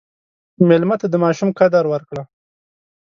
مېلمه ته د ماشوم قدر ورکړه.